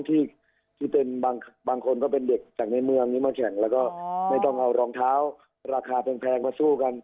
ที่บางคนเป็นเด็กจากนี้เมืองมาแข่งและไม่ต้องเอารองเท้าราคาแพงมาสู้กัน